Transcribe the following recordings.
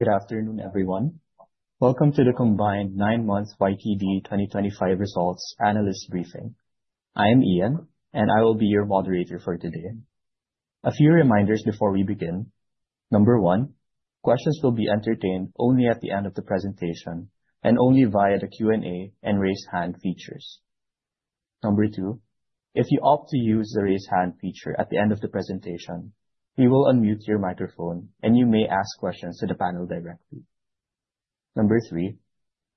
Good afternoon, everyone. Welcome to the combined 9-month YTD 2025 results analyst briefing. I am Ian, and I will be your moderator for today. A few reminders before we begin. Number one, questions will be entertained only at the end of the presentation and only via the Q&A and raise hand features. Number two, if you opt to use the raise hand feature at the end of the presentation, we will unmute your microphone, and you may ask questions to the panel directly. Number three,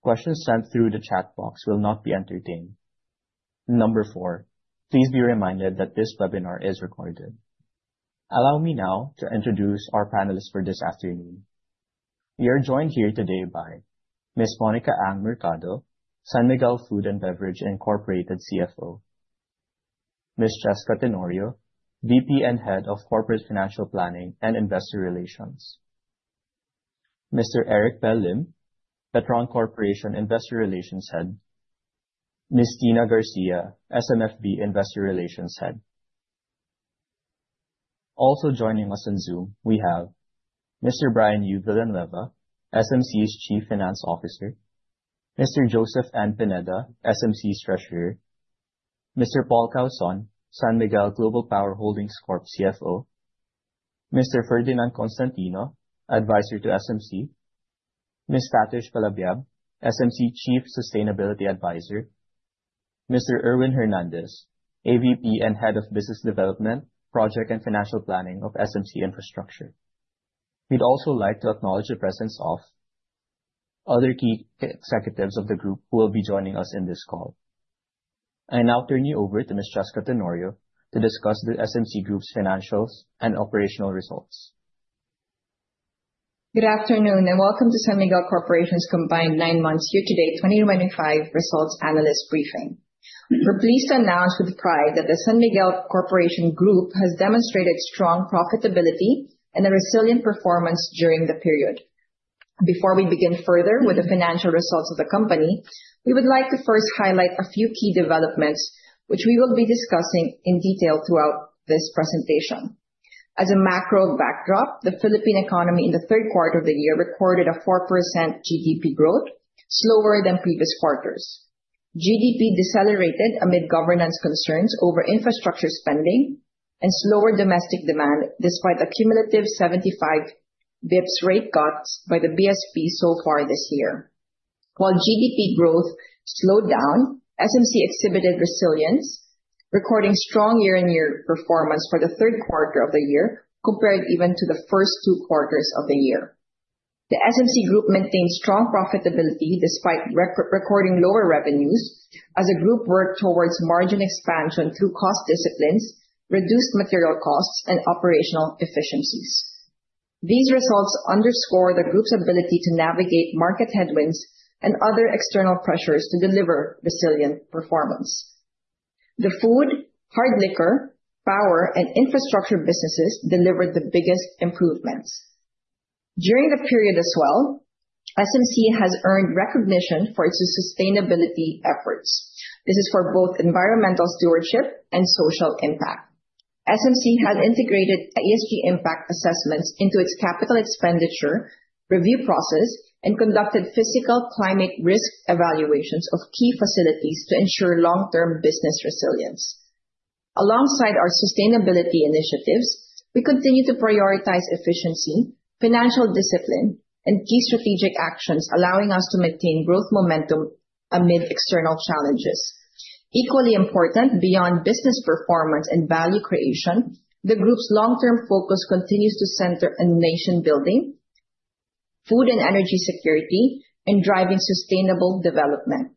questions sent through the chat box will not be entertained. Number four, please be reminded that this webinar is recorded. Allow me now to introduce our panelists for this afternoon. We are joined here today by Ms. Monica Ang-Mercado, San Miguel Food and Beverage CFO; Ms. Chesca Tenorio, VP and Head of Corporate Financial Planning and Investor Relations; Mr. Eric Bell Lim, Petron Corporation Investor Relations Head, Ms. Dina Garcia, SMFB Investor Relations Head. Also joining us on Zoom, we have Mr. Brian U. Villanueva, SMC Chief Finance Officer, Mr. Joseph N. Pineda, SMC Treasurer, Mr. Paul Causon, San Miguel Global Power Holdings Corp. CFO, Mr. Ferdinand Constantino, Advisor to SMC, Ms. Tatish Calabiab, SMC Chief Sustainability Advisor, Mr. Erwin Hernandez, AVP and Head of Business Development, Project and Financial Planning of SMC Infrastructure. We'd also like to acknowledge the presence of other key executives of the group who will be joining us in this call. I now turn you over to Ms. Chesca Tenorio to discuss the SMC Group's financials and operational results. Good afternoon, and welcome to San Miguel Corporation's combined 9-month year to date 2025 results analyst briefing. We're pleased to announce with pride that the San Miguel Corporation Group has demonstrated strong profitability and a resilient performance during the period. Before we begin further with the financial results of the company, we would like to first highlight a few key developments which we will be discussing in detail throughout this presentation. As a macro backdrop, the Philippine economy in the third quarter of the year recorded a 4% GDP growth, slower than previous quarters. GDP decelerated amid governance concerns over infrastructure spending and slower domestic demand despite the cumulative 75 basis points rate cuts by the BSP so far this year. While GDP growth slowed down, SMC exhibited resilience, recording strong year-on-year performance for the third quarter of the year compared even to the first two quarters of the year. The SMC Group maintained strong profitability despite recording lower revenues as the group worked towards margin expansion through cost disciplines, reduced material costs, and operational efficiencies. These results underscore the group's ability to navigate market headwinds and other external pressures to deliver resilient performance. The food, hard liquor, power, and infrastructure businesses delivered the biggest improvements. During the period as well, SMC has earned recognition for its sustainability efforts. This is for both environmental stewardship and social impact. SMC has integrated ESG impact assessments into its capital expenditure review process and conducted physical climate risk evaluations of key facilities to ensure long-term business resilience. Alongside our sustainability initiatives, we continue to prioritize efficiency, financial discipline, and key strategic actions, allowing us to maintain growth momentum amid external challenges. Equally important, beyond business performance and value creation, the group's long-term focus continues to center on nation-building, food and energy security, and driving sustainable development.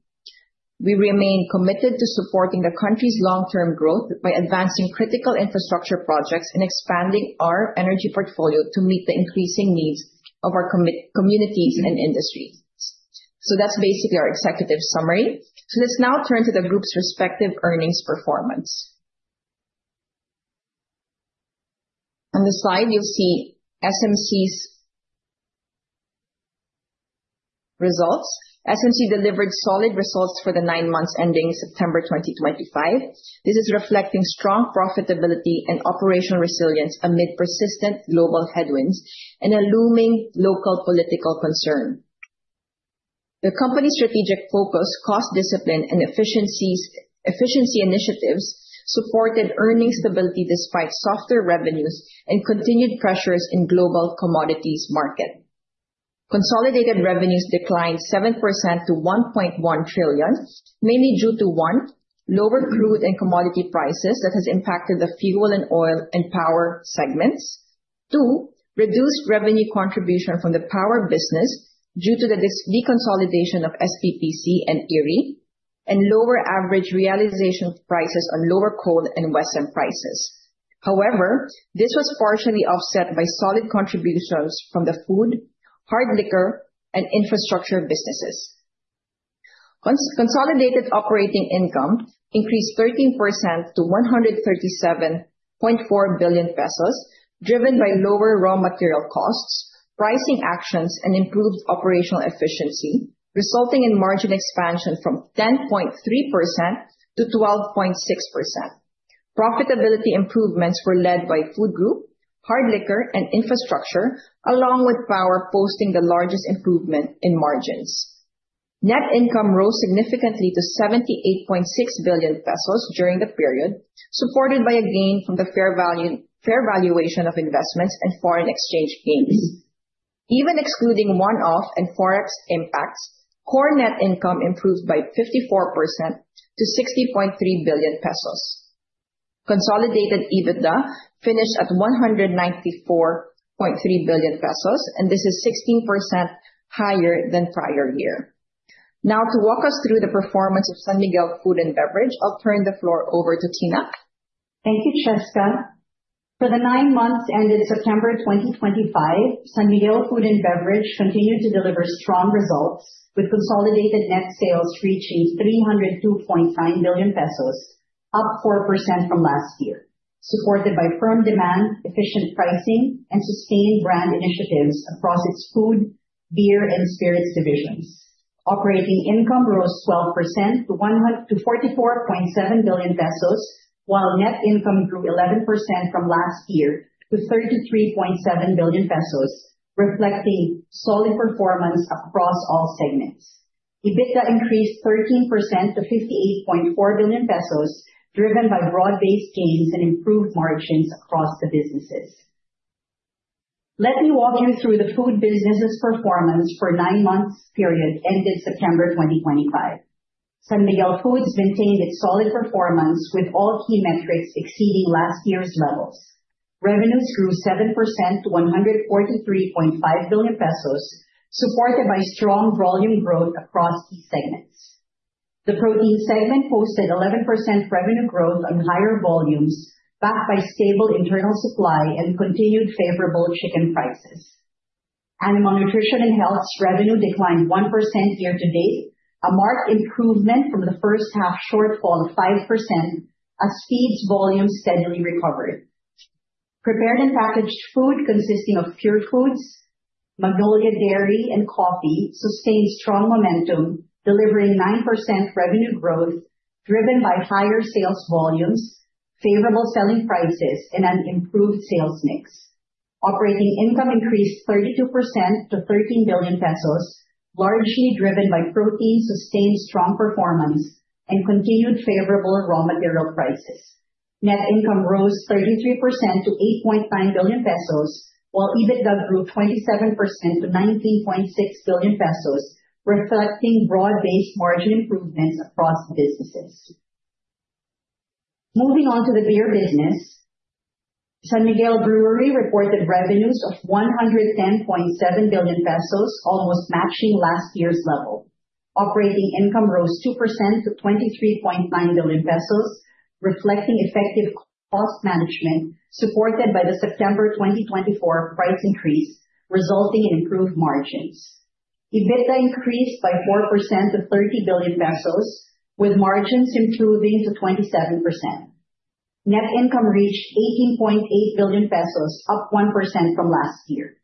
We remain committed to supporting the country's long-term growth by advancing critical infrastructure projects and expanding our energy portfolio to meet the increasing needs of our communities and industries. That is basically our executive summary. Let's now turn to the group's respective earnings performance. On the slide, you'll see SMC's results. SMC delivered solid results for the nine months ending September 2025. This is reflecting strong profitability and operational resilience amid persistent global headwinds and a looming local political concern. The company's strategic focus, cost discipline, and efficiency initiatives supported earnings stability despite softer revenues and continued pressures in the global commodities market. Consolidated revenues declined 7% to 1.1 trillion, mainly due to, one, lower crude and commodity prices that have impacted the fuel and oil and power segments, two, reduced revenue contribution from the power business due to the deconsolidation of SPPC and EERI, and lower average realization prices on lower coal and western prices. However, this was partially offset by solid contributions from the food, hard liquor, and infrastructure businesses. Consolidated operating income increased 13% to 137.4 billion pesos, driven by lower raw material costs, pricing actions, and improved operational efficiency, resulting in margin expansion from 10.3% to 12.6%. Profitability improvements were led by food group, hard liquor, and infrastructure, along with power, posting the largest improvement in margins. Net income rose significantly to 78.6 billion pesos during the period, supported by a gain from the fair valuation of investments and foreign exchange gains. Even excluding one-off and forex impacts, core net income improved by 54% to 60.3 billion pesos. Consolidated EBITDA finished at 194.3 billion pesos, and this is 16% higher than prior year. Now, to walk us through the performance of San Miguel Food and Beverage, I'll turn the floor over to Dina. Thank you, Chesca. For the nine months ended September 2025, San Miguel Food and Beverage continued to deliver strong results, with consolidated net sales reaching 302.9 billion pesos, up 4% from last year, supported by firm demand, efficient pricing, and sustained brand initiatives across its food, beer, and spirits divisions. Operating income rose 12% to 44.7 billion pesos, while net income grew 11% from last year to 33.7 billion pesos, reflecting solid performance across all segments. EBITDA increased 13% to 58.4 billion pesos, driven by broad-based gains and improved margins across the businesses. Let me walk you through the food business's performance for the nine-month period ended September 2025. San Miguel Foods maintained its solid performance, with all key metrics exceeding last year's levels. Revenues grew 7% to 143.5 billion pesos, supported by strong volume growth across key segments. The protein segment posted 11% revenue growth on higher volumes, backed by stable internal supply and continued favorable chicken prices. Animal Nutrition and Health's revenue declined 1% year-to-date, a marked improvement from the first-half shortfall of 5%, as feeds volume steadily recovered. Prepared and packaged food consisting of cured foods, Magnolia Dairy, and coffee sustained strong momentum, delivering 9% revenue growth, driven by higher sales volumes, favorable selling prices, and an improved sales mix. Operating income increased 32% to 13 billion pesos, largely driven by protein's sustained strong performance and continued favorable raw material prices. Net income rose 33% to 8.9 billion pesos, while EBITDA grew 27% to 19.6 billion pesos, reflecting broad-based margin improvements across businesses. Moving on to the beer business, San Miguel Brewery reported revenues of 110.7 billion pesos, almost matching last year's level. Operating income rose 2% to 23.9 billion pesos, reflecting effective cost management, supported by the September 2024 price increase, resulting in improved margins. EBITDA increased by 4% to 30 billion pesos, with margins improving to 27%. Net income reached 18.8 billion pesos, up 1% from last year.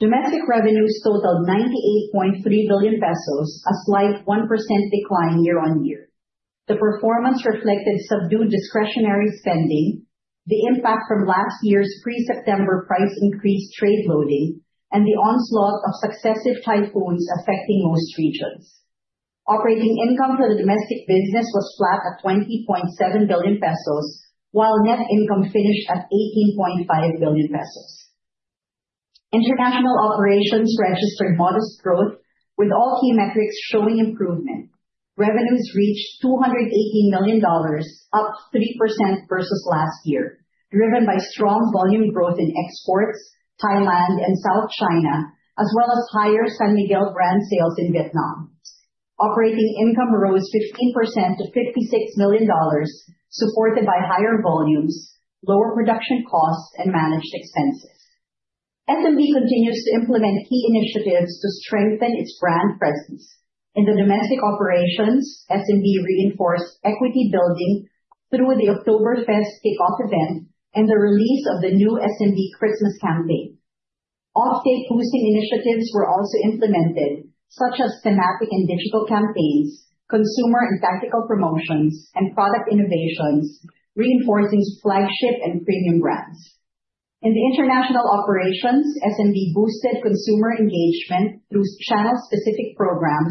Domestic revenues totaled PHP 98.3 billion, a slight 1% decline year-on-year. The performance reflected subdued discretionary spending, the impact from last year's pre-September price increase trade loading, and the onslaught of successive typhoons affecting most regions. Operating income for the domestic business was flat at 20.7 billion pesos, while net income finished at 18.5 billion pesos. International operations registered modest growth, with all key metrics showing improvement. Revenues reached $218 million, up 3% versus last year, driven by strong volume growth in exports, Thailand, and South China, as well as higher San Miguel brand sales in Vietnam. Operating income rose 15% to $56 million, supported by higher volumes, lower production costs, and managed expenses. SMB continues to implement key initiatives to strengthen its brand presence. In the domestic operations, SMB reinforced equity building through the Oktoberfest kickoff event and the release of the new SMB Christmas campaign. Off-site boosting initiatives were also implemented, such as thematic and digital campaigns, consumer and tactical promotions, and product innovations, reinforcing flagship and premium brands. In the international operations, SMB boosted consumer engagement through channel-specific programs,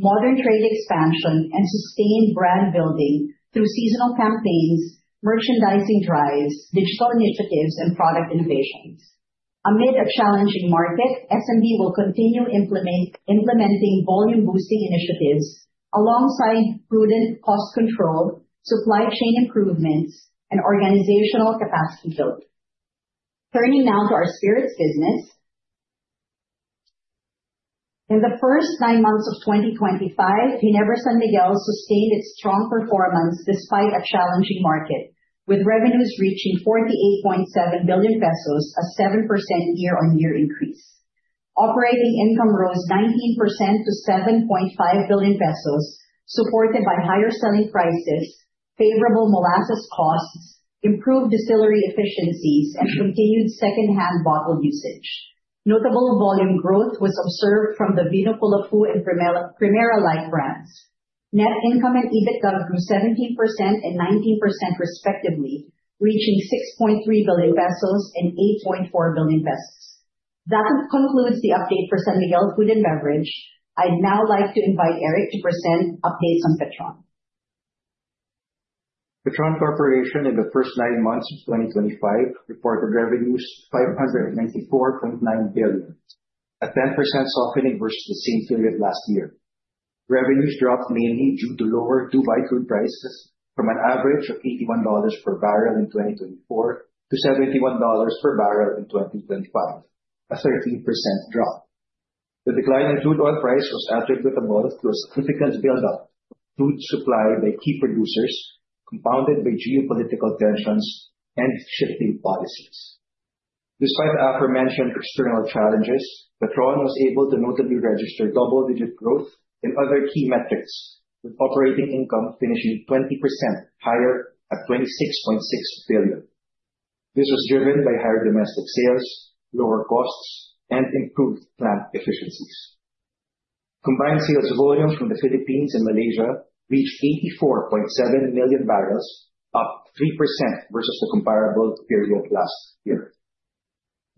modern trade expansion, and sustained brand building through seasonal campaigns, merchandising drives, digital initiatives, and product innovations. Amid a challenging market, SMB will continue implementing volume-boosting initiatives alongside prudent cost control, supply chain improvements, and organizational capacity build. Turning now to our spirits business, in the first nine months of 2025, Ginebra San Miguel sustained its strong performance despite a challenging market, with revenues reaching 48.7 billion pesos, a 7% year-on-year increase. Operating income rose 19% to 7.5 billion pesos, supported by higher selling prices, favorable molasses costs, improved distillery efficiencies, and continued second-hand bottle usage. Notable volume growth was observed from the Vino Kulafu and Primera Light brands. Net income and EBITDA grew 17% and 19% respectively, reaching 6.3 billion pesos and 8.4 billion. That concludes the update for San Miguel Food and Beverage. I'd now like to invite Eric to present updates on Petron. Petron Corporation in the first nine months of 2025 reported revenues of 594.9 billion, a 10% softening versus the same period last year. Revenues dropped mainly due to lower Dubai crude prices from an average of $81 per barrel in 2024 to $71 per barrel in 2025, a 13% drop. The decline in crude oil price was attributable to a significant buildup of crude supply by key producers, compounded by geopolitical tensions and shifting policies. Despite the aforementioned external challenges, Petron was able to notably register double-digit growth in other key metrics, with operating income finishing 20% higher at 26.6 billion. This was driven by higher domestic sales, lower costs, and improved plant efficiencies. Combined sales volumes from the Philippines and Malaysia reached 84.7 million barrels, up 3% versus the comparable period last year.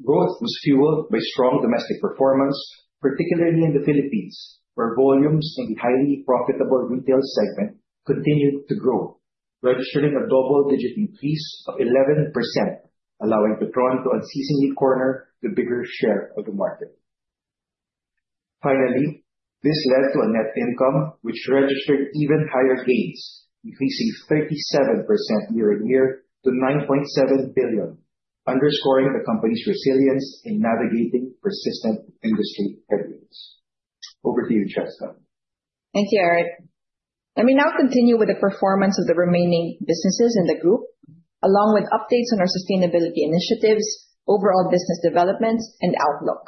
Growth was fueled by strong domestic performance, particularly in the Philippines, where volumes in the highly profitable retail segment continued to grow, registering a double-digit increase of 11%, allowing Petron to unceasingly corner the bigger share of the market. Finally, this led to a net income which registered even higher gains, increasing 37% year-on-year to 9.7 billion, underscoring the company's resilience in navigating persistent industry headwinds. Over to you, Chesca. Thank you, Eric. Let me now continue with the performance of the remaining businesses in the group, along with updates on our sustainability initiatives, overall business developments, and outlook.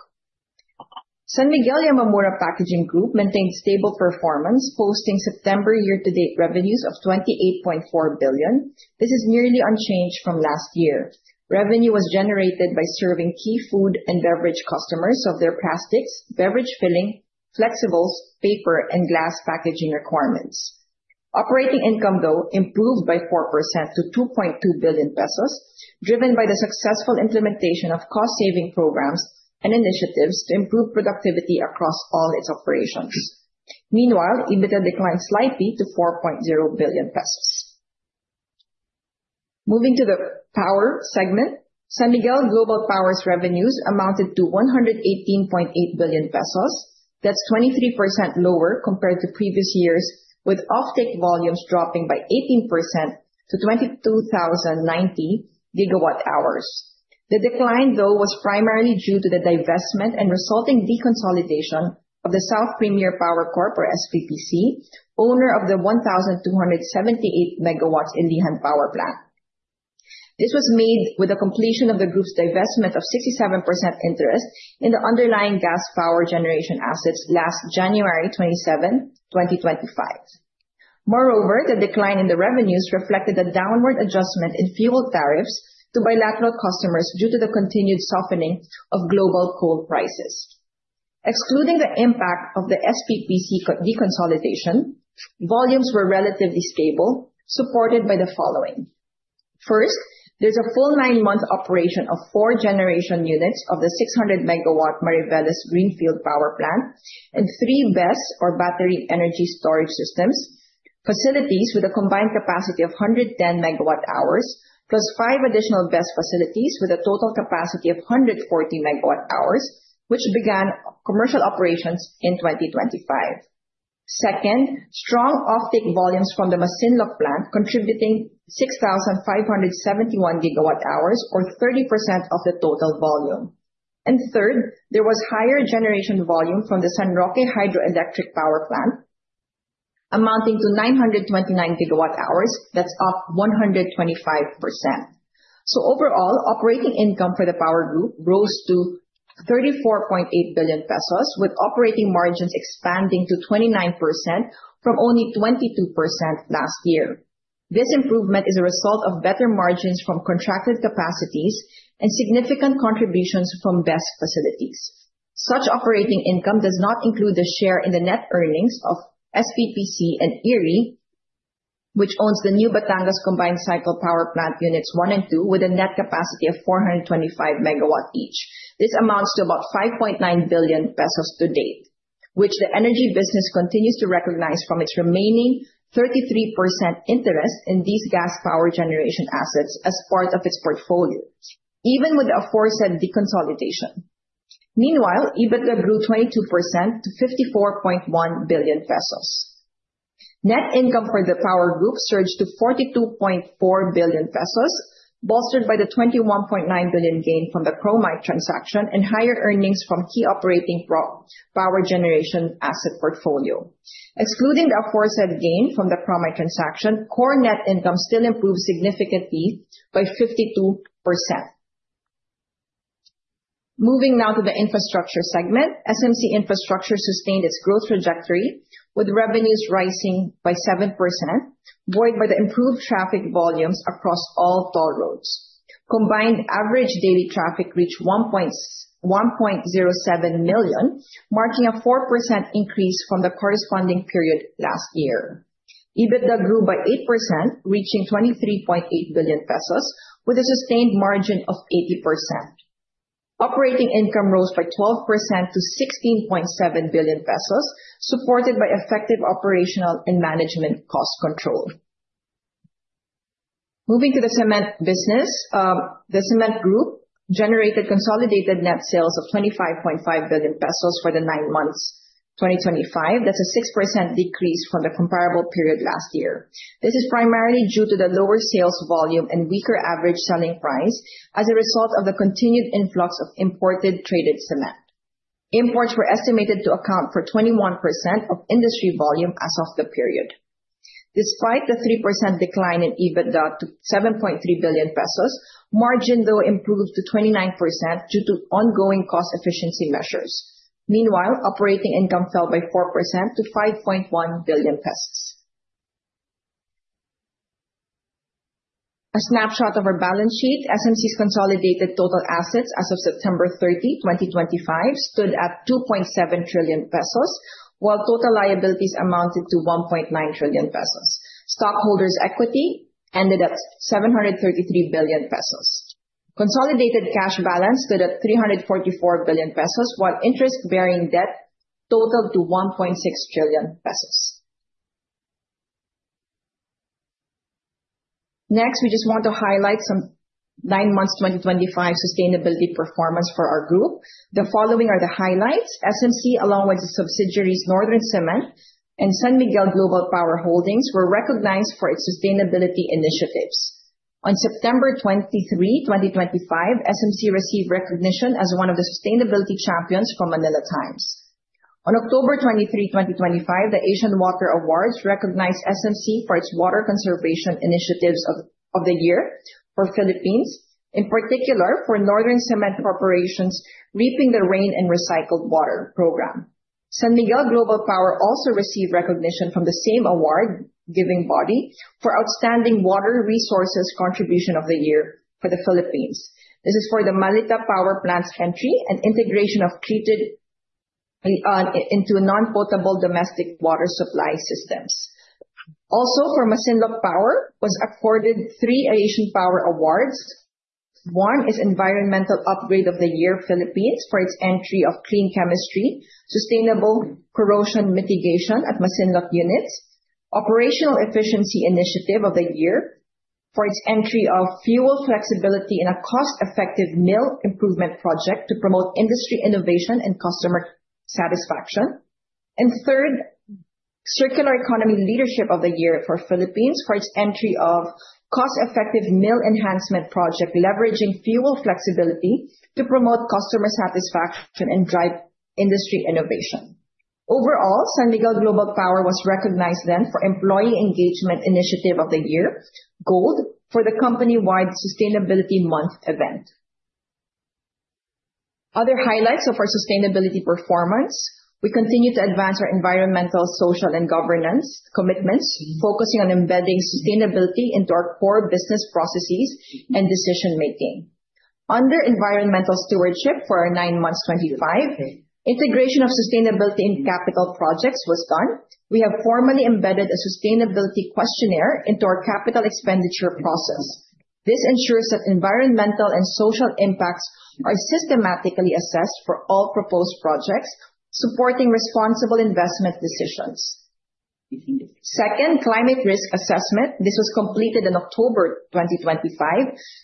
San Miguel Yamamura Packaging Group maintained stable performance, posting September year-to-date revenues of PHP 28.4 billion. This is nearly unchanged from last year. Revenue was generated by serving key food and beverage customers of their plastics, beverage filling, flexibles, paper, and glass packaging requirements. Operating income, though, improved by 4% to 2.2 billion pesos, driven by the successful implementation of cost-saving programs and initiatives to improve productivity across all its operations. Meanwhile, EBITDA declined slightly to 4.0 billion pesos. Moving to the power segment, San Miguel Global Power's revenues amounted to 118.8 billion pesos. That's 23% lower compared to previous years, with offtake volumes dropping by 18% to 22,090 GWh. The decline, though, was primarily due to the divestment and resulting deconsolidation of the South Premier Power Corporation, SPPC, owner of the 1,278 MW in Ilijan Power Plant. This was made with the completion of the group's divestment of 67% interest in the underlying gas power generation assets last January 27, 2025. Moreover, the decline in the revenues reflected a downward adjustment in fuel tariffs to bilateral customers due to the continued softening of global coal prices. Excluding the impact of the SPPC deconsolidation, volumes were relatively stable, supported by the following. First, there's a full nine-month operation of four generation units of the 600 MW Mariveles Greenfield Power Plant and three BESS, or Battery Energy Storage Systems, facilities with a combined capacity of 110 MWh, plus five additional BESS facilities with a total capacity of 140 MWh, which began commercial operations in 2025. Second, strong offtake volumes from the Masinloc plant, contributing 6,571 GWh, or 30% of the total volume. Third, there was higher generation volume from the San Roque Hydroelectric Power Plant, amounting to 929 GWh. That is up 125%. Overall, operating income for the power group rose to 34.8 billion pesos, with operating margins expanding to 29% from only 22% last year. This improvement is a result of better margins from contracted capacities and significant contributions from BESS facilities. Such operating income does not include the share in the net earnings of SPPC and EERI, which owns the new Batangas Combined Cycle Power Plant units one and two, with a net capacity of 425 MW each. This amounts to about 5.9 billion pesos to date, which the energy business continues to recognize from its remaining 33% interest in these gas power generation assets as part of its portfolio, even with the aforesaid deconsolidation. Meanwhile, EBITDA grew 22% to 54.1 billion pesos. Net income for the power group surged to 42.4 billion pesos, bolstered by the 21.9 billion gain from the promite transaction and higher earnings from key operating power generation asset portfolio. Excluding the aforesaid gain from the promite transaction, core net income still improved significantly by 52%. Moving now to the infrastructure segment, SMC Infrastructure sustained its growth trajectory, with revenues rising by 7%, buoyed by the improved traffic volumes across all toll roads. Combined average daily traffic reached 1.07 million, marking a 4% increase from the corresponding period last year. EBITDA grew by 8%, reaching 23.8 billion pesos, with a sustained margin of 80%. Operating income rose by 12% to 16.7 billion pesos, supported by effective operational and management cost control. Moving to the cement business, the cement group generated consolidated net sales of 25.5 billion pesos for the nine months 2025. That's a 6% decrease from the comparable period last year. This is primarily due to the lower sales volume and weaker average selling price as a result of the continued influx of imported traded cement. Imports were estimated to account for 21% of industry volume as of the period. Despite the 3% decline in EBITDA to 7.3 billion pesos, margin though improved to 29% due to ongoing cost efficiency measures. Meanwhile, operating income fell by 4% to 5.1 billion pesos. A snapshot of our balance sheet, SMC's consolidated total assets as of September 30, 2025, stood at 2.7 trillion pesos, while total liabilities amounted to 1.9 trillion pesos. Stockholders' equity ended at 733 billion pesos. Consolidated cash balance stood at 344 billion pesos, while interest-bearing debt totaled to 1.6 trillion pesos. Next, we just want to highlight some nine months 2025 sustainability performance for our group. The following are the highlights. SMC, along with its subsidiaries, Northern Cement and San Miguel Global Power Holdings, were recognized for its sustainability initiatives. On September 23, 2025, SMC received recognition as one of the sustainability champions from Manila Times. On October 23, 2025, the Asian Water Awards recognized SMC for its water conservation initiatives of the year for the Philippines, in particular for Northern Cement Corporation's Reaping the Rain and Recycled Water program. San Miguel Global Power also received recognition from the same award-giving body for outstanding water resources contribution of the year for the Philippines. This is for the Malita Power Plant's entry and integration of treated into non-potable domestic water supply systems. Also, for Masinloc Power, was awarded three Asian Power Awards. One is Environmental Upgrade of the Year Philippines for its entry of Clean Chemistry, Sustainable Corrosion Mitigation at Masinloc Units, Operational Efficiency Initiative of the Year for its entry of Fuel Flexibility in a Cost-Effective Mill Improvement Project to promote industry innovation and customer satisfaction. Third, Circular Economy Leadership of the Year for Philippines for its entry of Cost-Effective Mill Enhancement Project, leveraging fuel flexibility to promote customer satisfaction and drive industry innovation. Overall, San Miguel Global Power was recognized then for Employee Engagement Initiative of the Year, GOLD, for the company-wide Sustainability Month event. Other highlights of our sustainability performance, we continue to advance our environmental, social, and governance commitments, focusing on embedding sustainability into our core business processes and decision-making. Under environmental stewardship for our nine months 2025, integration of sustainability in capital projects was done. We have formally embedded a sustainability questionnaire into our capital expenditure process. This ensures that environmental and social impacts are systematically assessed for all proposed projects, supporting responsible investment decisions. Second, Climate Risk Assessment. This was completed in October 2025.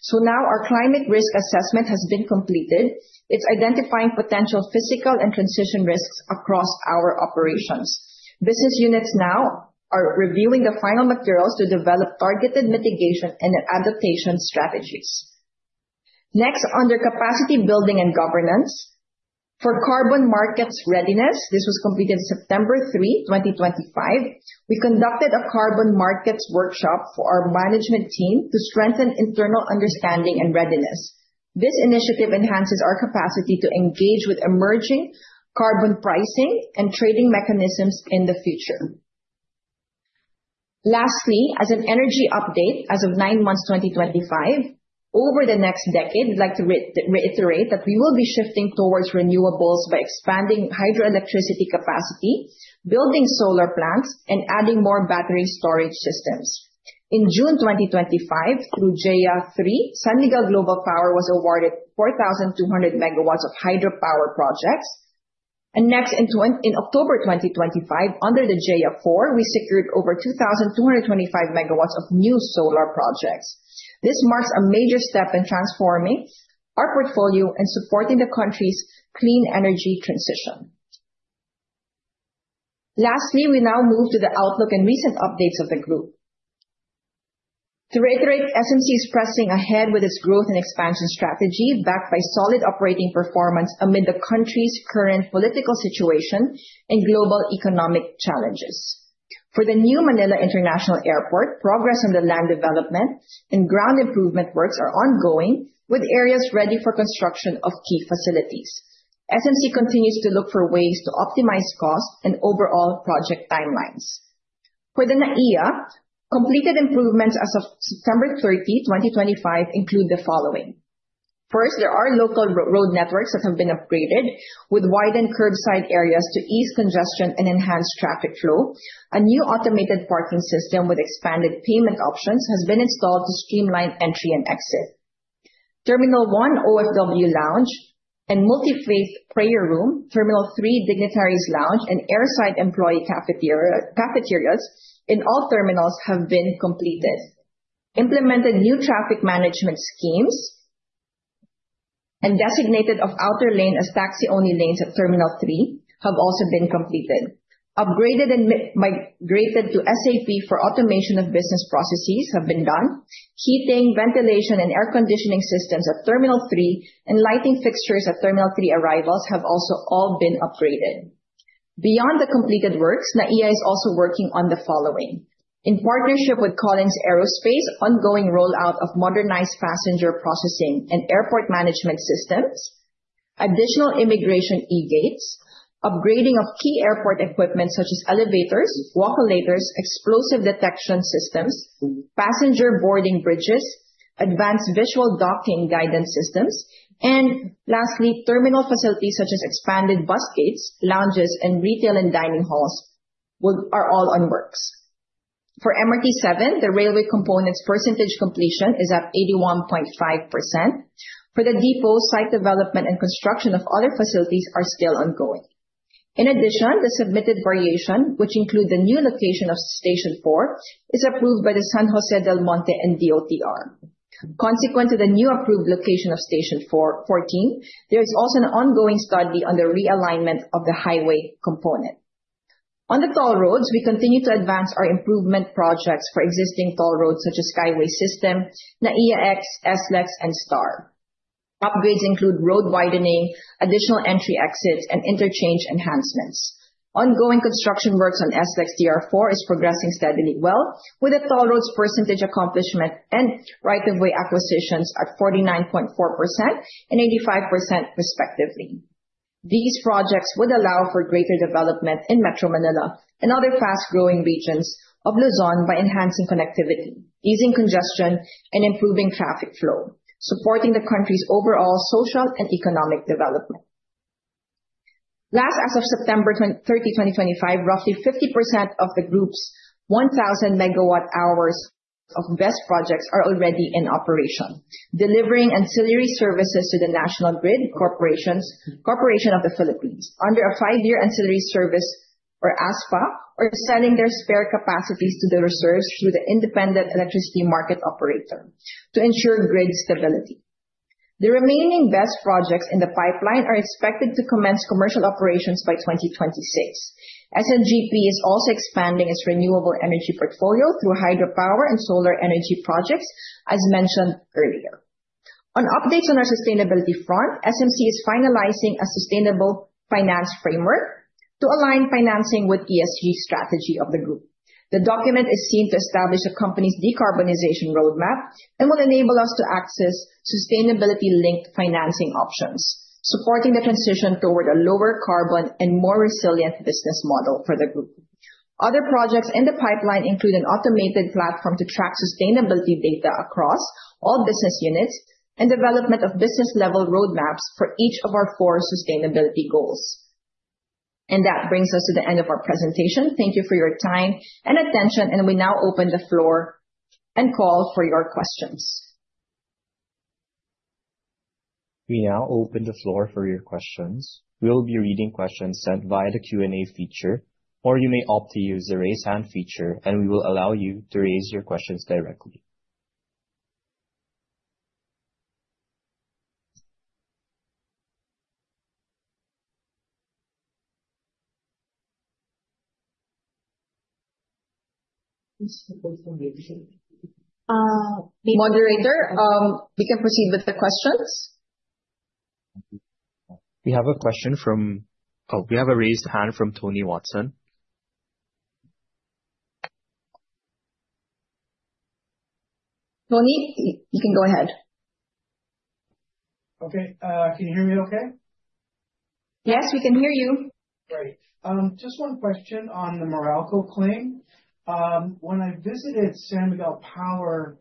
So now our climate risk assessment has been completed. It's identifying potential physical and transition risks across our operations. Business units now are reviewing the final materials to develop targeted mitigation and adaptation strategies. Next, under Capacity Building and Governance for Carbon Markets Readiness, this was completed September 3, 2025. We conducted a carbon markets workshop for our management team to strengthen internal understanding and readiness. This initiative enhances our capacity to engage with emerging carbon pricing and trading mechanisms in the future. Lastly, as an energy update as of nine months 2025, over the next decade, we'd like to reiterate that we will be shifting towards renewables by expanding hydroelectricity capacity, building solar plants, and adding more battery storage systems. In June 2025, through GEA-3, San Miguel Global Power was awarded 4,200 MW of hydropower projects. Next, in October 2025, under the GEA-4, we secured over 2,225 MW of new solar projects. This marks a major step in transforming our portfolio and supporting the country's clean energy transition. Lastly, we now move to the outlook and recent updates of the group. To reiterate, SMC is pressing ahead with its growth and expansion strategy, backed by solid operating performance amid the country's current political situation and global economic challenges. For the new Manila International Airport, progress on the land development and ground improvement works are ongoing, with areas ready for construction of key facilities. SMC continues to look for ways to optimize costs and overall project timelines. For the NAIA, completed improvements as of September 30, 2025, include the following. First, there are local road networks that have been upgraded with widened curbside areas to ease congestion and enhance traffic flow. A new automated parking system with expanded payment options has been installed to streamline entry and exit. Terminal 1 OFW Lounge and multi-phased prayer room, Terminal 3 Dignitaries Lounge, and airside employee cafeterias in all terminals have been completed. Implemented new traffic management schemes and designation of outer lane as taxi-only lanes at Terminal 3 have also been completed. Upgraded and migrated to SAP for automation of business processes have been done. Heating, ventilation, and air conditioning systems at Terminal 3 and lighting fixtures at Terminal 3 Arrivals have also all been upgraded. Beyond the completed works, NAIA is also working on the following. In partnership with Collins Aerospace, ongoing rollout of modernized passenger processing and airport management systems, additional immigration e-gates, upgrading of key airport equipment such as elevators, walk-alaters, explosive detection systems, passenger boarding bridges, advanced visual docking guidance systems, and lastly, terminal facilities such as expanded bus gates, lounges, and retail and dining halls are all on works. For MRT 7, the railway component's percentage completion is at 81.5%. For the depot, site development and construction of other facilities are still ongoing. In addition, the submitted variation, which includes the new location of Station 4, is approved by the San Jose del Monte and DOTR. Consequent to the new approved location of Station 14, there is also an ongoing study on the realignment of the highway component. On the toll roads, we continue to advance our improvement projects for existing toll roads such as Skyway System, NAIAX, SLEX, and STAR. Upgrades include road widening, additional entry exits, and interchange enhancements. Ongoing construction works on SLEX DR4 is progressing steadily well, with the toll roads percentage accomplishment and right-of-way acquisitions at 49.4% and 85% respectively. These projects would allow for greater development in Metro Manila and other fast-growing regions of Luzon by enhancing connectivity, easing congestion, and improving traffic flow, supporting the country's overall social and economic development. Last, as of September 30, 2025, roughly 50% of the group's 1,000 MWh of BESS projects are already in operation, delivering ancillary services to the National Grid Corporation of the Philippines under a five-year ancillary service or ASPA, or selling their spare capacities to the reserves through the Independent Electricity Market Operator to ensure grid stability. The remaining BESS projects in the pipeline are expected to commence commercial operations by 2026. SMGP is also expanding its renewable energy portfolio through hydropower and solar energy projects, as mentioned earlier. On updates on our sustainability front, SMC is finalizing a sustainable finance framework to align financing with the ESG strategy of the group. The document is seen to establish the company's decarbonization roadmap and will enable us to access sustainability-linked financing options, supporting the transition toward a lower carbon and more resilient business model for the group. Other projects in the pipeline include an automated platform to track sustainability data across all business units and development of business-level roadmaps for each of our four sustainability goals. That brings us to the end of our presentation. Thank you for your time and attention, and we now open the floor and call for your questions. We now open the floor for your questions. We'll be reading questions sent via the Q&A feature, or you may opt to use the raise hand feature, and we will allow you to raise your questions directly. Moderator, we can proceed with the questions. We have a question from, oh, we have a raised hand from Tony Watson. Tony, you can go ahead. Okay. Can you hear me okay? Yes, we can hear you. Great. Just one question on the Meralco claim. When I visited San Miguel Power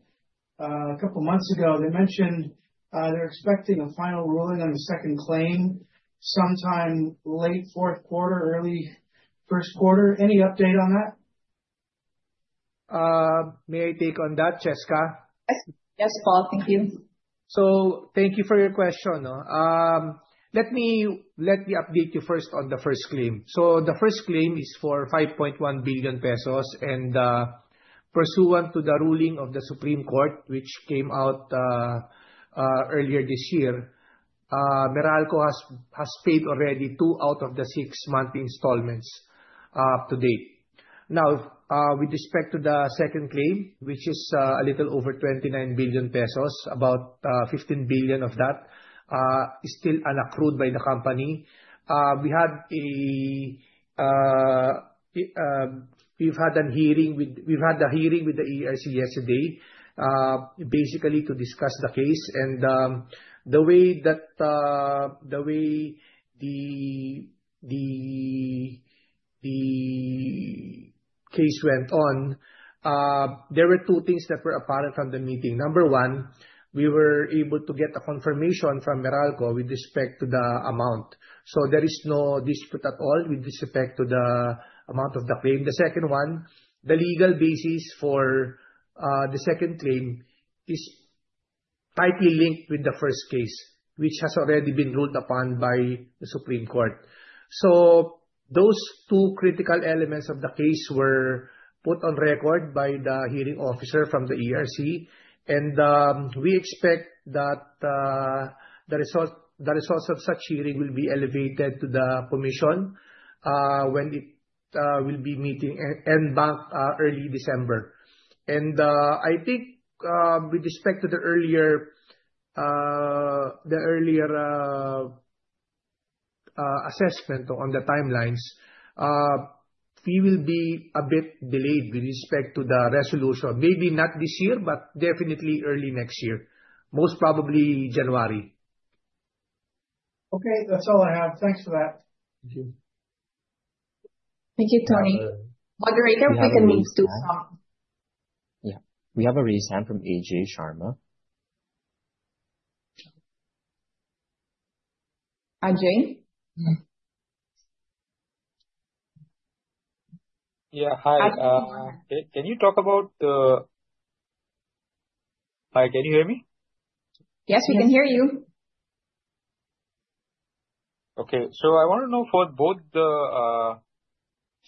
a couple of months ago, they mentioned they're expecting a final ruling on the second claim sometime late fourth quarter, early first quarter. Any update on that? May I take on that, Chesca? Yes. Yes, Paul. Thank you. Thank you for your question. Let me update you first on the first claim. The first claim is for 5.1 billion pesos and pursuant to the ruling of the Supreme Court, which came out earlier this year, Meralco has paid already two out of the six-month installments up to date. Now, with respect to the second claim, which is a little over 29 billion pesos, about 15 billion of that is still unaccrued by the company. We've had a hearing with the ERC yesterday, basically to discuss the case. The way the case went on, there were two things that were apparent from the meeting. Number one, we were able to get a confirmation from Meralco with respect to the amount. There is no dispute at all with respect to the amount of the claim. The second one, the legal basis for the second claim is tightly linked with the first case, which has already been ruled upon by the Supreme Court. Those two critical elements of the case were put on record by the hearing officer from the ERC, and we expect that the results of such hearing will be elevated to the commission when it will be meeting NBAC early December. I think with respect to the earlier assessment on the timelines, we will be a bit delayed with respect to the resolution. Maybe not this year, but definitely early next year, most probably January. Okay. That's all I have. Thanks for that. Thank you. Thank you, Tony. Moderator, we can move to. Yeah. We have a raised hand from Ajay Sharma. Ajay? Yeah. Hi. Can you talk about the, can you hear me? Yes, we can hear you. Okay. So I want to know for both the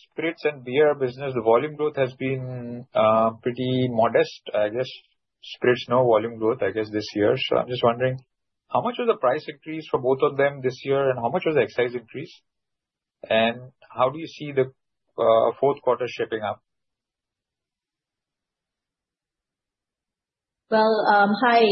spirits and beer business, the volume growth has been pretty modest. I guess spirits no volume growth, I guess, this year. So I'm just wondering how much was the price increase for both of them this year and how much was the excise increase? And how do you see the fourth quarter shaping up? Hi,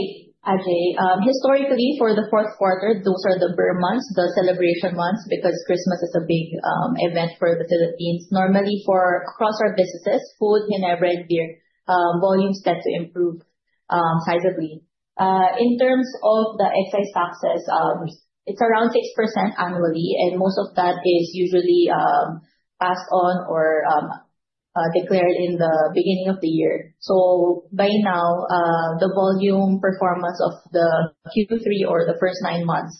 Ajay. Historically, for the fourth quarter, those are the beer months, the celebration months, because Christmas is a big event for the Philippines. Normally, for across our businesses, food, henna, bread, beer, volumes tend to improve sizably. In terms of the excise taxes, it's around 6% annually, and most of that is usually passed on or declared in the beginning of the year. By now, the volume performance of the Q3 or the first nine months,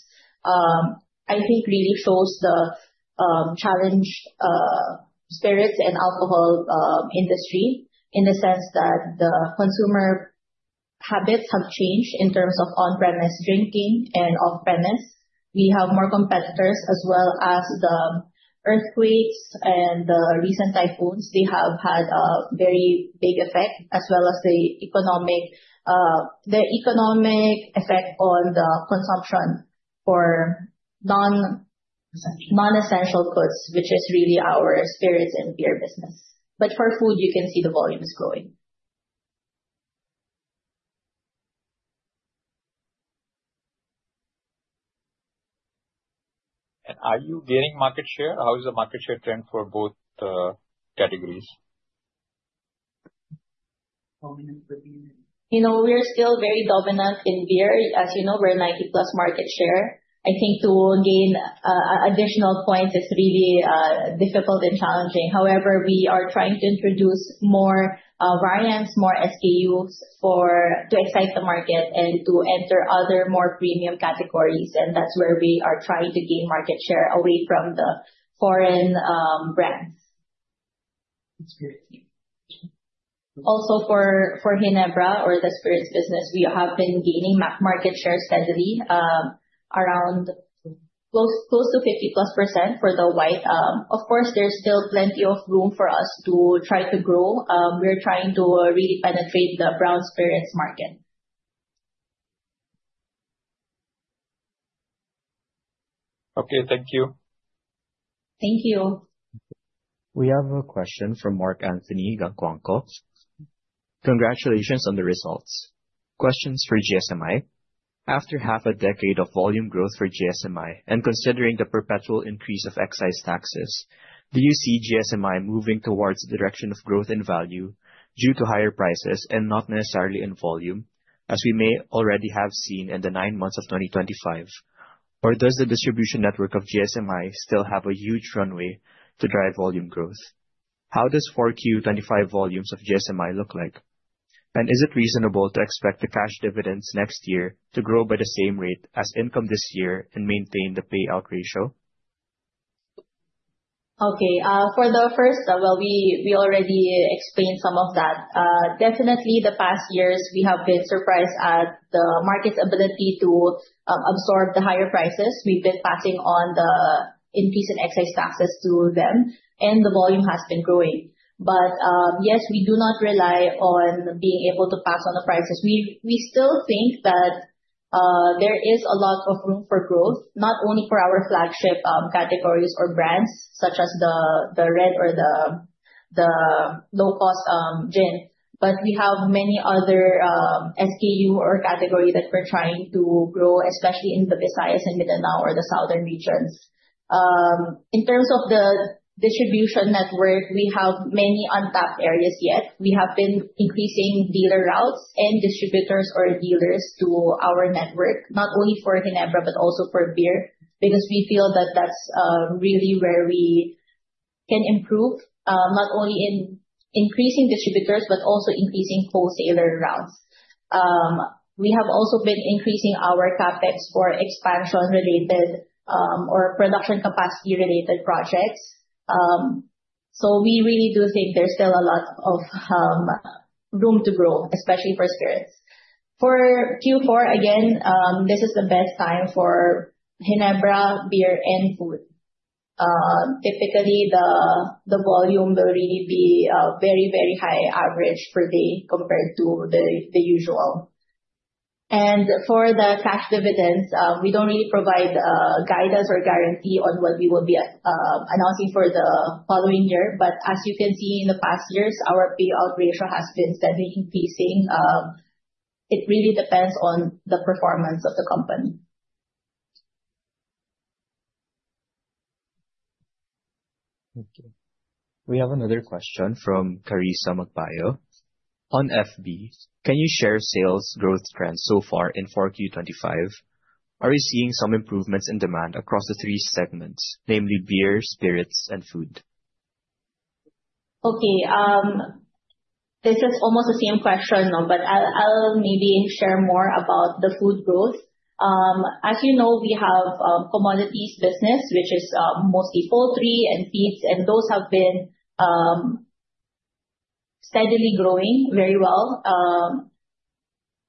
I think really shows the challenge spirits and alcohol industry in the sense that the consumer habits have changed in terms of on-premise drinking and off-premise. We have more competitors as well as the earthquakes and the recent typhoons. They have had a very big effect as well as the economic effect on the consumption for non-essential goods, which is really our spirits and beer business. For food, you can see the volume is growing. And are you gaining market share? How is the market share trend for both the categories? You know, we're still very dominant in beer. As you know, we're 90% plus market share. I think to gain additional points is really difficult and challenging. However, we are trying to introduce more variants, more SKUs to excite the market and to enter other more premium categories. That is where we are trying to gain market share away from the foreign brands. Also, for Ginebra or the spirits business, we have been gaining market share steadily, around close to 50% plus for the white. Of course, there is still plenty of room for us to try to grow. We're trying to really penetrate the brown spirits market. Okay. Thank you. Thank you. We have a question from Mark Anthony Gangcuangco. Congratulations on the results. Questions for GSMI. After half a decade of volume growth for GSMI and considering the perpetual increase of excise taxes, do you see GSMI moving towards the direction of growth in value due to higher prices and not necessarily in volume, as we may already have seen in the nine months of 2025? Or does the distribution network of GSMI still have a huge runway to drive volume growth? How does 4Q 2025 volumes of GSMI look like? Is it reasonable to expect the cash dividends next year to grow by the same rate as income this year and maintain the payout ratio? Okay. For the first, we already explained some of that. Definitely, the past years, we have been surprised at the market's ability to absorb the higher prices. We've been passing on the increase in excise taxes to them, and the volume has been growing. Yes, we do not rely on being able to pass on the prices. We still think that there is a lot of room for growth, not only for our flagship categories or brands such as the red or the low-cost gin, but we have many other SKU or categories that we're trying to grow, especially in the Visayas and Mindanao or the southern regions. In terms of the distribution network, we have many untapped areas yet. We have been increasing dealer routes and distributors or dealers to our network, not only for Ginebra, but also for beer, because we feel that that's really where we can improve, not only in increasing distributors, but also increasing wholesaler routes. We have also been increasing our CapEx for expansion-related or production capacity-related projects. We really do think there's still a lot of room to grow, especially for spirits. For Q4, again, this is the best time for Ginebra, beer, and food. Typically, the volume will really be very, very high average per day compared to the usual. For the cash dividends, we do not really provide guidance or guarantee on what we will be announcing for the following year. As you can see in the past years, our payout ratio has been steadily increasing. It really depends on the performance of the company. Thank you. We have another question from Carissa Magbayo. On FB, can you share sales growth trends so far in Q4 2025? Are we seeing some improvements in demand across the three segments, namely beer, spirits, and food? Okay. This is almost the same question, but I will maybe share more about the food growth. As you know, we have a commodities business, which is mostly poultry and feeds, and those have been steadily growing very well.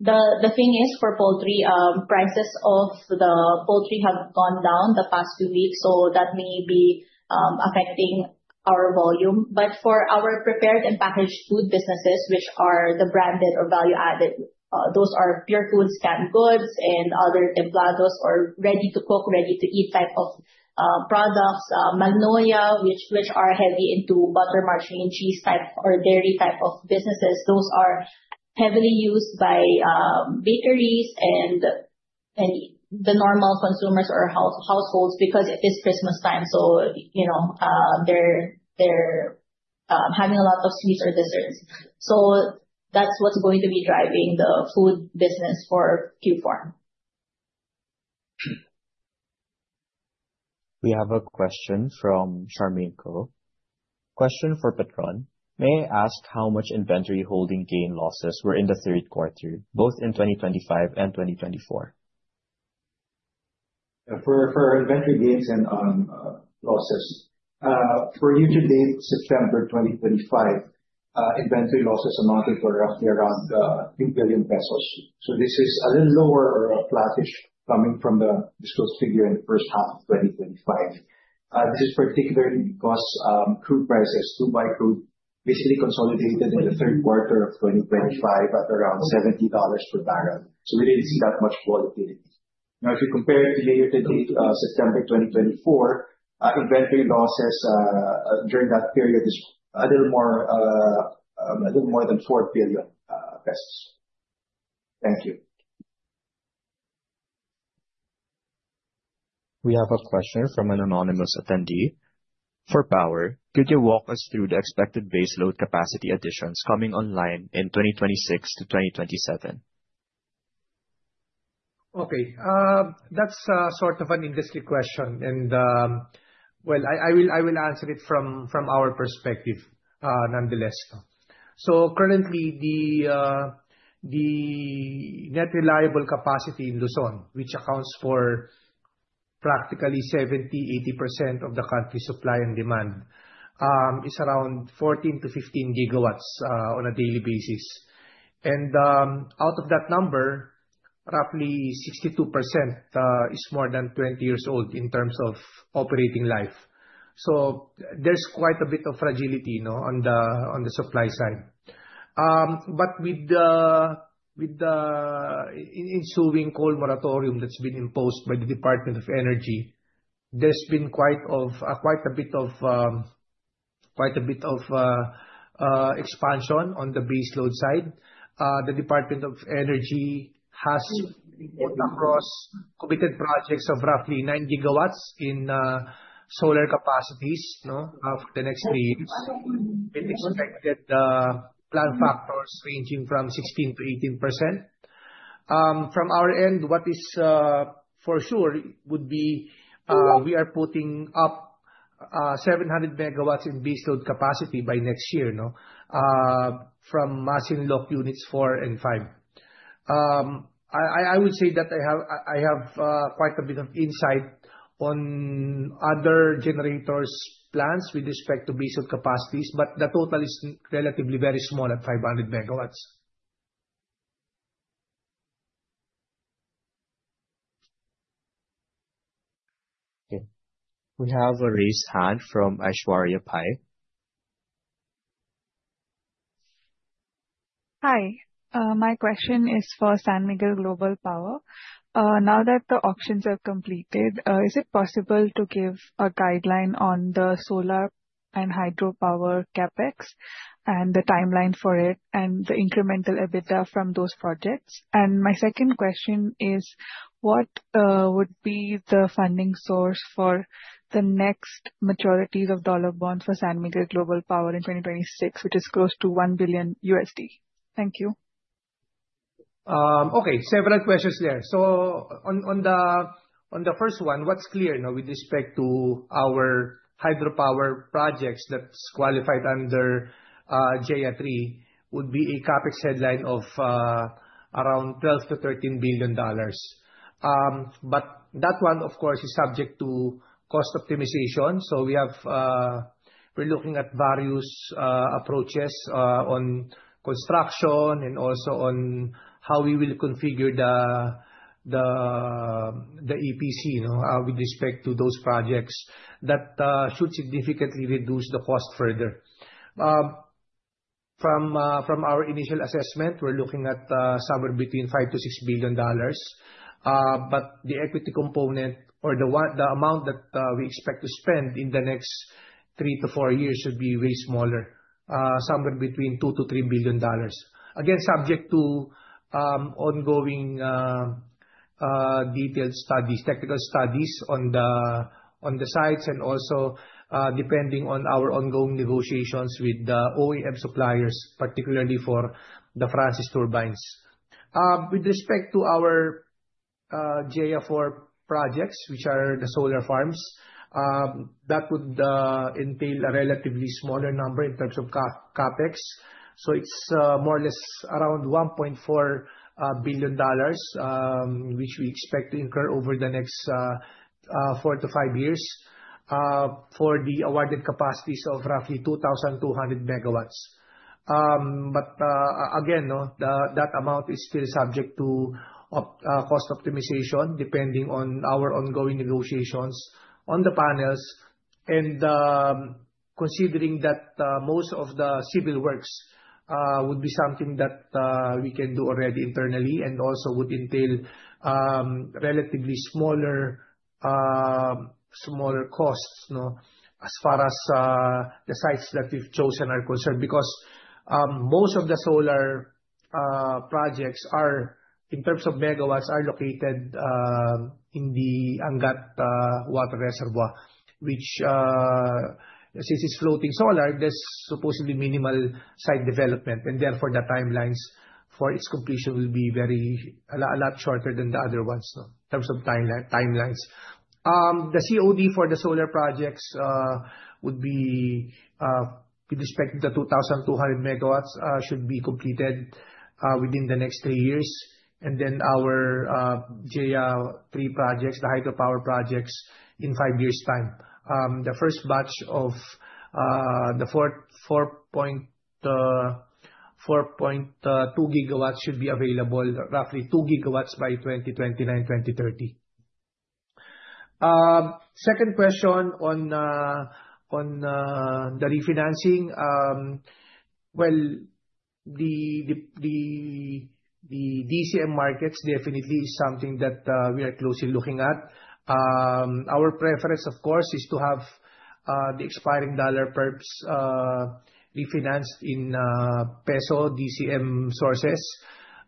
The thing is, for poultry, prices of the poultry have gone down the past few weeks, so that may be affecting our volume. For our prepared and packaged food businesses, which are the branded or value-added, those are Purefoods, canned goods, and other templados or ready-to-cook, ready-to-eat type of products. Magnolia, which are heavy into butter, margarine, cheese type, or dairy type of businesses, those are heavily used by bakeries and the normal consumers or households because it is Christmas time, so they're having a lot of sweets or desserts. That's what's going to be driving the food business for Q4. We have a question from Sharmaine Co. Question for Petron. May I ask how much inventory holding gain losses were in the third quarter, both in 2025 and 2024? For inventory gains and losses, for year-to-date September 2025, inventory losses amounted to roughly around 2 billion pesos. This is a little lower or a flattish coming from the disclosed figure in the first half of 2025. This is particularly because crude prices, crude by crude, basically consolidated in the third quarter of 2025 at around $70 per barrel. We did not see that much volatility. Now, if you compare it to year-to-date September 2024, inventory losses during that period is a little more than 4 billion pesos. Thank you. We have a question from an anonymous attendee. For power, could you walk us through the expected base load capacity additions coming online in 2026 to 2027? Okay. That is sort of an industry question. I will answer it from our perspective nonetheless. Currently, the net reliable capacity in Luzon, which accounts for practically 70%, 80% of the country's supply and demand, is around 14 GW-15 GW on a daily basis. Out of that number, roughly 62% is more than 20 years old in terms of operating life. There is quite a bit of fragility on the supply side. With the ensuing coal moratorium that has been imposed by the Department of Energy, there has been quite a bit of expansion on the base load side. The Department of Energy has put across committed projects of roughly 9 gigawatts in solar capacities for the next three years, with expected plant factors ranging from 16%-18%. From our end, what is for sure would be we are putting up 700 MW in base load capacity by next year from Masinloc units 4 and 5. I would say that I have quite a bit of insight on other generators' plants with respect to base load capacities, but the total is relatively very small at 500 MW. Okay. We have a raised hand from Aishwarya Pai. Hi. My question is for San Miguel Global Power. Now that the auctions are completed, is it possible to give a guideline on the solar and hydropower CapEx and the timeline for it and the incremental EBITDA from those projects? And my second question is, what would be the funding source for the next maturities of dollar bond for San Miguel Global Power in 2026, which is close to $1 billion? Thank you. Okay. Several questions there. On the first one, what's clear with respect to our hydropower projects that's qualified under GEA-3 would be a CapEx headline of around $12 billion-$13 billion. That one, of course, is subject to cost optimization. We're looking at various approaches on construction and also on how we will configure the EPC with respect to those projects that should significantly reduce the cost further. From our initial assessment, we're looking at somewhere between $5 billion-$6 billion. The equity component or the amount that we expect to spend in the next three to four years should be way smaller, somewhere between $2 billion-$3 billion. Again, subject to ongoing detailed studies, technical studies on the sites, and also depending on our ongoing negotiations with the OEM suppliers, particularly for the Francis turbines. With respect to our GEA-4 projects, which are the solar farms, that would entail a relatively smaller number in terms of CapEx. It is more or less around $1.4 billion, which we expect to incur over the next four to five years for the awarded capacities of roughly 2,200 MW. That amount is still subject to cost optimization depending on our ongoing negotiations on the panels. Considering that most of the civil works would be something that we can do already internally and also would entail relatively smaller costs as far as the sites that we've chosen are concerned because most of the solar projects are, in terms of megawatts, located in the Angat water reservoir, which since it's floating solar, there's supposedly minimal site development. Therefore, the timelines for its completion will be a lot shorter than the other ones in terms of timelines. The COD for the solar projects would be, with respect to the 2,200 MW, should be completed within the next three years. Then our GEA-3 projects, the hydropower projects, in five years' time. The first batch of the 4.2 GW should be available, roughly 2 GW by 2029-2030. The second question on the refinancing. The DCM markets definitely is something that we are closely looking at. Our preference, of course, is to have the expiring dollar perps refinanced in peso DCM sources.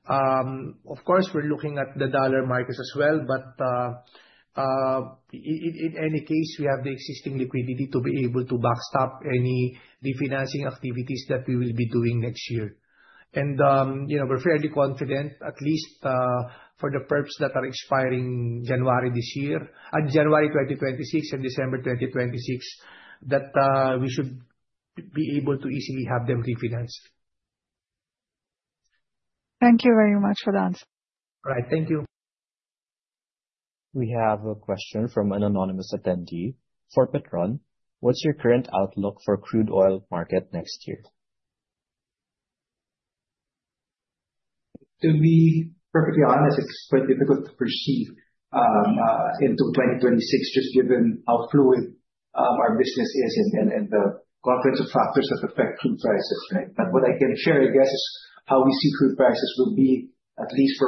Of course, we are looking at the dollar markets as well, but in any case, we have the existing liquidity to be able to backstop any refinancing activities that we will be doing next year. We're fairly confident, at least for the perps that are expiring January this year, January 2026 and December 2026, that we should be able to easily have them refinanced. Thank you very much for the answer. All right. Thank you. We have a question from an anonymous attendee. For Petron, what's your current outlook for crude oil market next year? To be perfectly honest, it's quite difficult to foresee into 2026 just given how fluid our business is and the confluence of factors that affect crude prices, right? What I can share, I guess, is how we see crude prices will be at least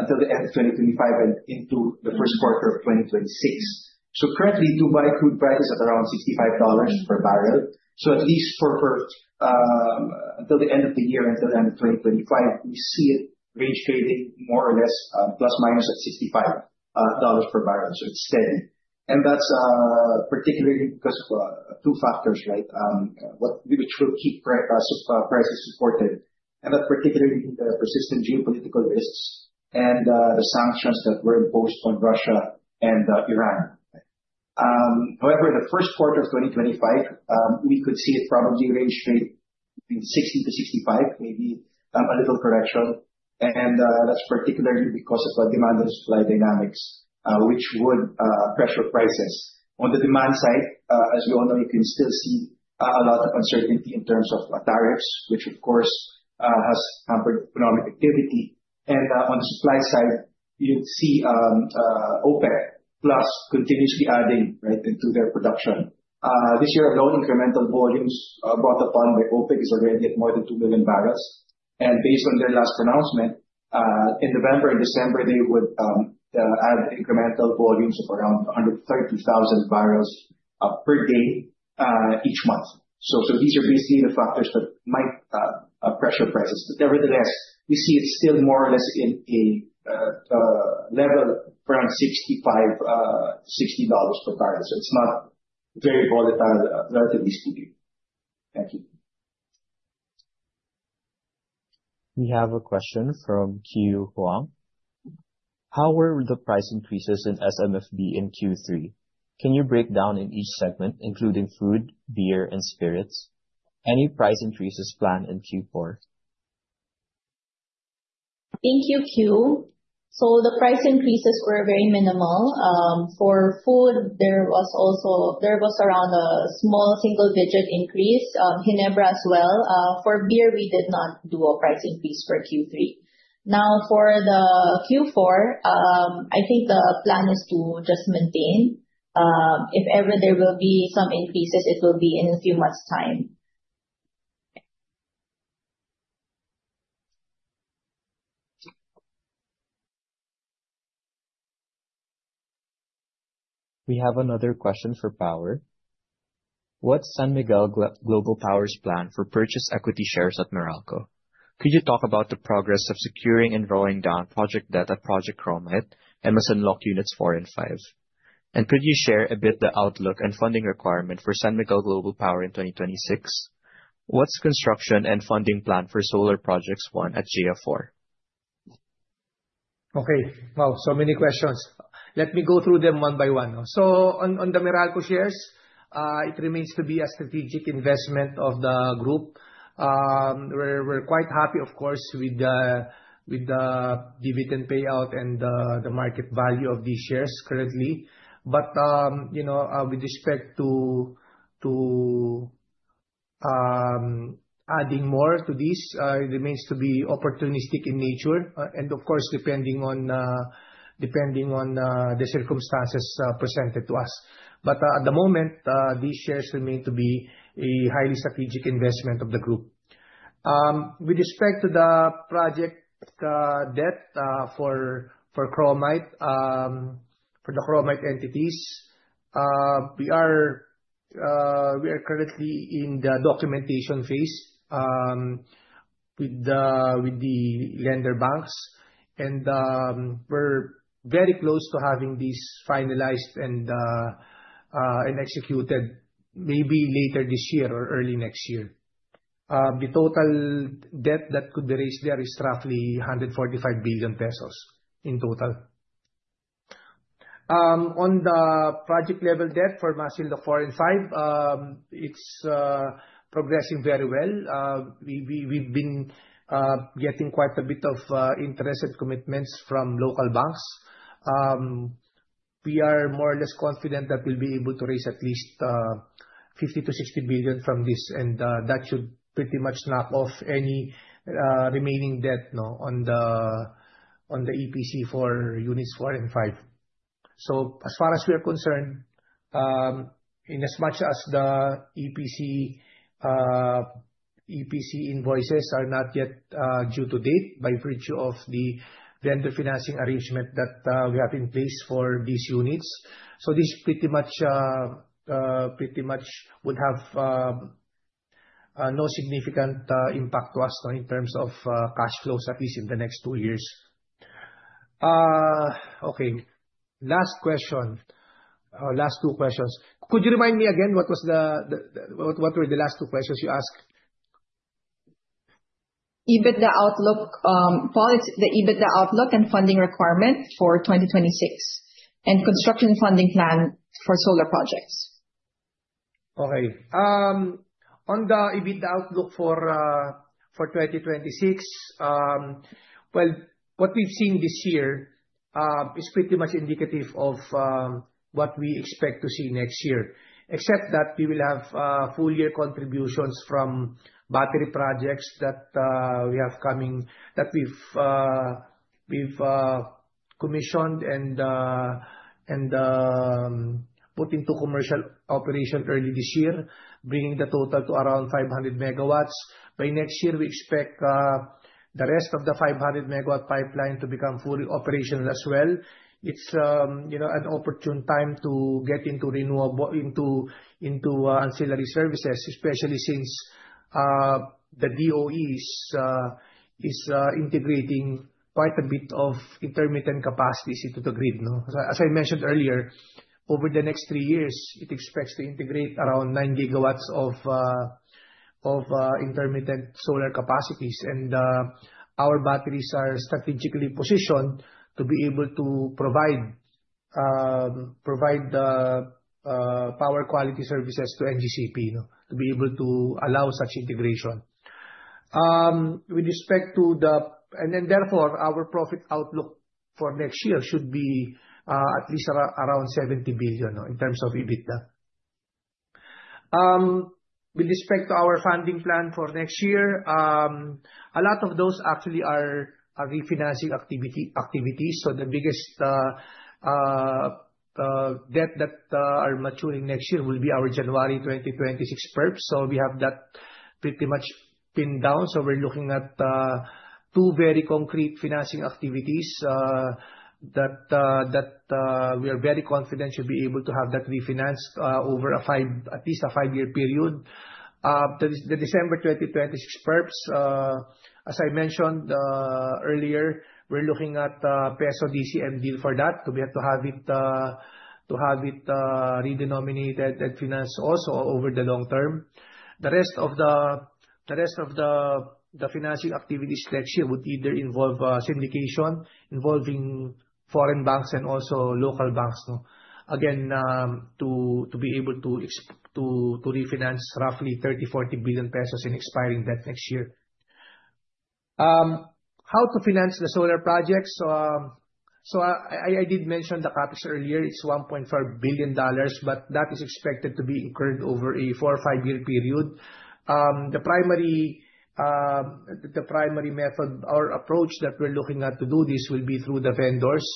until the end of 2025 and into the first quarter of 2026. Currently, Dubai crude price is at around $65 per barrel. At least until the end of the year, until the end of 2025, we see it range trading more or less plus minus at $65 per barrel. It is steady. That is particularly because of two factors, right, which will keep prices supported. That is particularly the persistent geopolitical risks and the sanctions that were imposed on Russia and Iran. However, in the first quarter of 2025, we could see it probably range trade between $60-$65, maybe a little correction. That is particularly because of the demand and supply dynamics, which would pressure prices. On the demand side, as we all know, you can still see a lot of uncertainty in terms of tariffs, which of course has hampered economic activity. On the supply side, you would see OPEC Plus continuously adding into their production. This year alone, incremental volumes brought upon by OPEC is already at more than 2 million barrels. Based on their last announcement, in November and December, they would add incremental volumes of around 130,000 barrels per day each month. These are basically the factors that might pressure prices. Nevertheless, we see it still more or less in a level around $65-$60 per barrel. It is not very volatile, relatively speaking. Thank you. We have a question from Q Huang. How were the price increases in SMFB in Q3? Can you break down in each segment, including food, beer, and spirits? Any price increases planned in Q4? Thank you, Q. The price increases were very minimal. For food, there was also around a small single-digit increase. Ginebra as well. For beer, we did not do a price increase for Q3. Now, for the Q4, I think the plan is to just maintain. If ever there will be some increases, it will be in a few months' time. We have another question for power. What's San Miguel Global Power's plan for purchase equity shares at Meralco? Could you talk about the progress of securing and rolling down project debt at Project Chromite and Masinloc units 4 and 5? And could you share a bit the outlook and funding requirement for San Miguel Global Power in 2026? What's construction and funding plan for solar projects 1 at GEA-4? Okay. Wow, so many questions. Let me go through them one by one. On the Meralco shares, it remains to be a strategic investment of the group. We're quite happy, of course, with the dividend payout and the market value of these shares currently. With respect to adding more to these, it remains to be opportunistic in nature. Of course, depending on the circumstances presented to us. At the moment, these shares remain to be a highly strategic investment of the group. With respect to the project debt for the Chromite entities, we are currently in the documentation phase with the lender banks. We are very close to having these finalized and executed maybe later this year or early next year. The total debt that could be raised there is roughly 145 billion pesos in total. On the project level debt for Masinloc 4 and 5, it is progressing very well. We have been getting quite a bit of interest and commitments from local banks. We are more or less confident that we will be able to raise at least 50 billion-60 billion from this. That should pretty much knock off any remaining debt on the EPC for units 4 and 5. As far as we are concerned, in as much as the EPC invoices are not yet due to date by virtue of the vendor financing arrangement that we have in place for these units, this pretty much would have no significant impact to us in terms of cash flows, at least in the next two years. Okay. Last question. Last two questions. Could you remind me again what were the last two questions you asked? EBITDA outlook, the EBITDA outlook and funding requirement for 2026, and construction funding plan for solar projects. Okay. On the EBITDA outlook for 2026, what we've seen this year is pretty much indicative of what we expect to see next year, except that we will have full-year contributions from battery projects that we have coming that we've commissioned and put into commercial operation early this year, bringing the total to around 500 MW. By next year, we expect the rest of the 500 MW pipeline to become fully operational as well. It's an opportune time to get into ancillary services, especially since the DOE is integrating quite a bit of intermittent capacities into the grid. As I mentioned earlier, over the next three years, it expects to integrate around 9 GW of intermittent solar capacities. Our batteries are strategically positioned to be able to provide power quality services to NGCP to be able to allow such integration. With respect to the, and therefore, our profit outlook for next year should be at least around 70 billion in terms of EBITDA. With respect to our funding plan for next year, a lot of those actually are refinancing activities. The biggest debt that are maturing next year will be our January 2026 perp. We have that pretty much pinned down. We are looking at two very concrete financing activities that we are very confident should be able to have that refinanced over at least a five-year period. The December 2026 perps, as I mentioned earlier, we are looking at a peso DCM deal for that. We have to have it redenominated and financed also over the long term. The rest of the financing activities next year would either involve syndication involving foreign banks and also local banks, again, to be able to refinance roughly 30 billion-40 billion pesos in expiring debt next year. How to finance the solar projects? I did mention the CapEx earlier. It's $1.4 billion, but that is expected to be incurred over a four- or five-year period. The primary method or approach that we're looking at to do this will be through the vendors.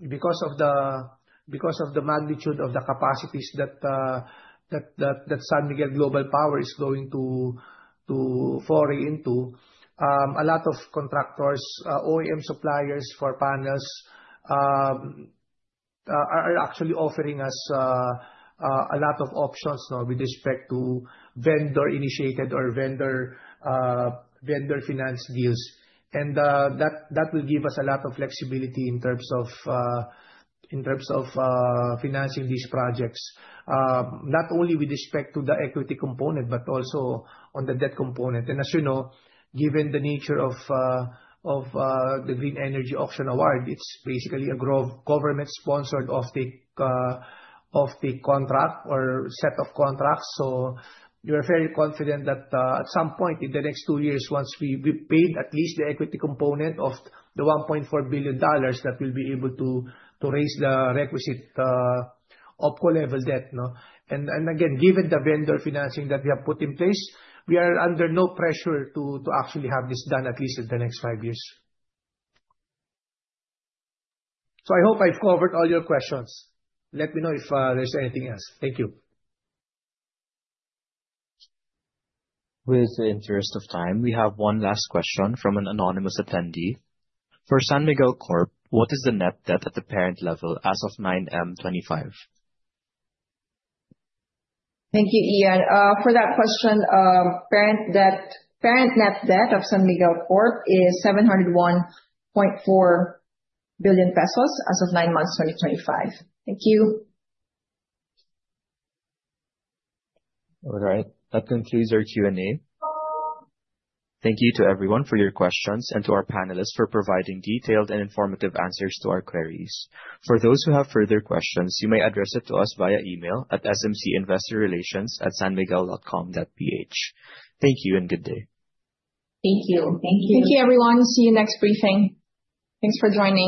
Because of the magnitude of the capacities that San Miguel Global Power is going to foray into, a lot of contractors, OEM suppliers for panels, are actually offering us a lot of options with respect to vendor-initiated or vendor-financed deals. That will give us a lot of flexibility in terms of financing these projects, not only with respect to the equity component, but also on the debt component. As you know, given the nature of the Green Energy Auction Award, it is basically a government-sponsored offtake contract or set of contracts. We are very confident that at some point in the next two years, once we have paid at least the equity component of the $1.4 billion, we will be able to raise the requisite opco level debt. Again, given the vendor financing that we have put in place, we are under no pressure to actually have this done at least in the next five years. I hope I have covered all your questions. Let me know if there is anything else. Thank you. With the interest of time, we have one last question from an anonymous attendee. For San Miguel Corporation, what is the net debt at the parent level as of 9M 2025? Thank you, Ian. For that question, parent net debt of San Miguel Corporation is 701.4 billion pesos as of nine months 2025. Thank you. All right. That concludes our Q&A. Thank you to everyone for your questions and to our panelists for providing detailed and informative answers to our queries. For those who have further questions, you may address it to us via email at smcinvestorrelations@sanmiguel.com.ph. Thank you and good day. Thank you. Thank you. Thank you, everyone. See you next briefing. Thanks for joining.